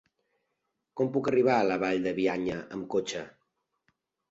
Com puc arribar a la Vall de Bianya amb cotxe?